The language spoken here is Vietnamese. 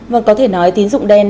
và có thể nói tín tùng đen